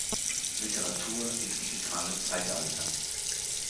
Literatur im digitalen Zeitalter“.